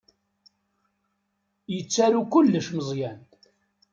Yettaru kullec Meẓyan.